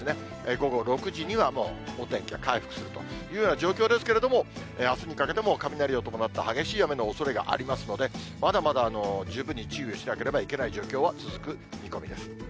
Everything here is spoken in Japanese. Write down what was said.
午後６時には、もうお天気は回復するというような状況ですけれども、あすにかけても雷を伴った激しい雨のおそれがありますので、まだまだ十分に注意をしなければいけない状況は続く見込みです。